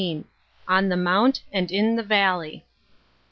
ON THE MOUNT AND IN THE VALLEY.